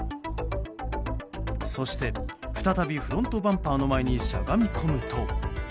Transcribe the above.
そして、再びフロントバンパーの前にしゃがみ込むと。